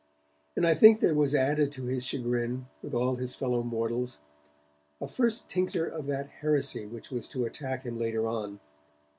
And I think that there was added to his chagrin with all his fellow mortals a first tincture of that heresy which was to attack him later on.